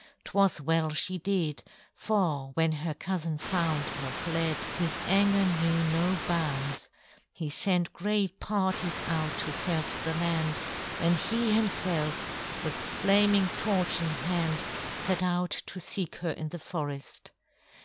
'Twas well she did, for when her cousin found her fled, his anger knew no bounds. He sent great parties out to search the land, and he himself, with flaming torch in hand, set out to seek her in the forest.